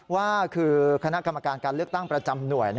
ว่าคือคณะกรรมการการเลือกตั้งประจำหน่วย